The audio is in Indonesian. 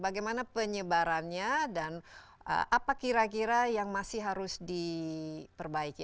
bagaimana penyebarannya dan apa kira kira yang masih harus diperbaiki